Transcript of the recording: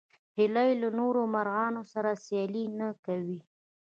هیلۍ له نورو مرغانو سره سیالي نه کوي